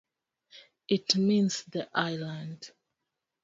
It means "the island".